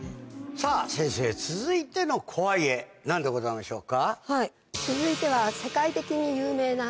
さぁ先生続いての怖い絵何でございましょうか？